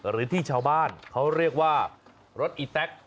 หรือที่ชาวบ้านเขาเรียกว่ารถอีแต๊ก